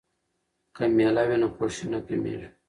که میله وي نو خوښي نه کمېږي.